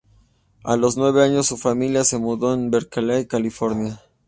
A los nueve años, su familia se mudó a Berkeley, California.